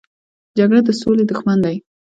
جګړه د سولې دښمن دی